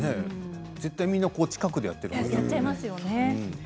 絶対みんな近くでやってるもんね。